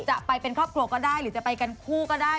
จะเป็นครอบครัวก็ได้หรือจะไปกันคู่ก็ได้